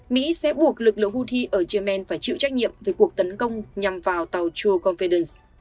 mỹ sẽ buộc lực lượng houthi ở yemen phải chịu trách nhiệm về cuộc tấn công nhằm vào tàu tour confidence